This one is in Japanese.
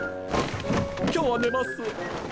今日は寝ます。